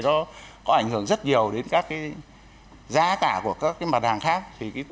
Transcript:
nó có ảnh hưởng rất nhiều đến các cái giá cả của các cái mặt hàng khác thì